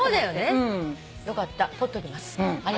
よかった取っときます。